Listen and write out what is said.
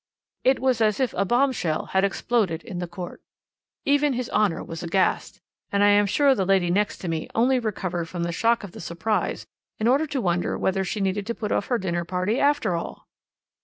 "It was as if a bombshell had exploded in the court. Even his Honour was aghast, and I am sure the lady next to me only recovered from the shock of the surprise in order to wonder whether she need put off her dinner party after all.